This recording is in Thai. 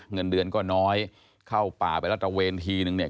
เงินเดือนก็น้อยเข้าป่าไปรัฐระเวนทีนึงเนี่ย